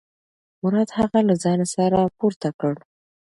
مراد هغه له ځانه سره پورته کړ.